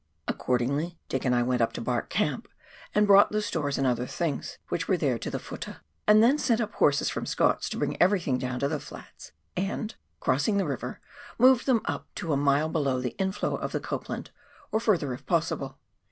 Accordingly Dick and I went up to Bark Camp, and brought the stores and other things which were there to the futtah ; and then sent up horses from Scott's to bring everything down to the flats, and, crossing the river, move them up to a mile below the inflow of the Copland, or further if possible.